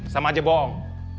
sama aja bohong